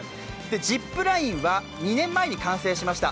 ジップラインは２年前に完成しました。